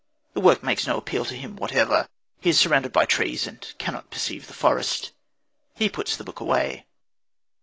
The work makes no appeal to him whatever. He is surrounded by trees, and cannot perceive the forest. He puts the book away.